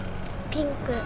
ピンク。